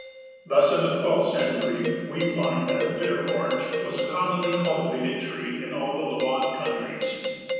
Thus in the twelfth century we find that the bitter Orange was a commonly cultivated tree in all the Levant countries.